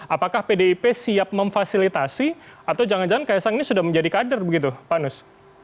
apakah pdip siap memfasilitasi atau jangan jangan kaisang ini sudah menjadi kader begitu pak nus